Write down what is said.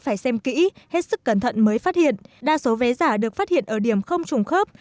phải xem kỹ hết sức cẩn thận mới phát hiện đa số vé giả được phát hiện ở điểm không trùng khớp